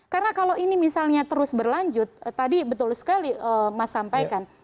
karena kalau ini misalnya terus berlanjut tadi betul sekali mas sampaikan